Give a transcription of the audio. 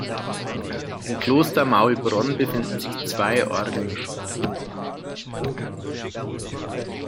Im Kloster Maulbronn befinden sich zwei Orgeln.